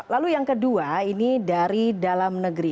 lalu yang kedua ini dari dalam negeri